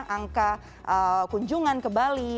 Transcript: angka kunjungan ke bali